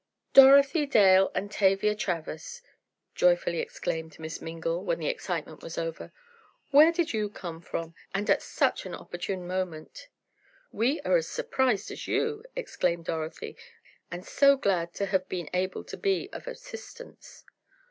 "Dorothy Dale and Tavia Travers!" joyfully exclaimed Miss Mingle, when the excitement was over. "Where did you come from, and at such an opportune moment?" "We are as surprised as you," exclaimed Dorothy, "and so glad to have been able to be of assistance!"